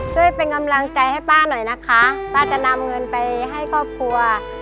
ช่วยเป็นกำลังใจให้ป้าหน่อยนะคะป้าจะนำเงินไปให้ครอบครัว